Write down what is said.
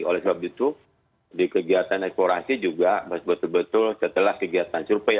oleh sebab itu di kegiatan eksplorasi juga harus betul betul setelah kegiatan survei